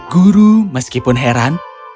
guru meskipun heran